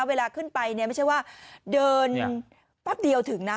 เวลาขึ้นไปเนี่ยไม่ใช่ว่าเดินแป๊บเดียวถึงนะ